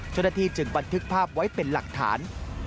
เจ้าหน้าที่จึงบันทึกภาพไว้เป็นหลักฐาน